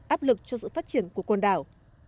áp lực cho sự phát triển của con đảo